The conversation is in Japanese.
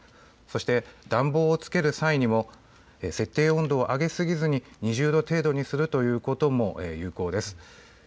そして暖房をつける際にも設定温度を上げすぎずに２０度程度にするということも有効です。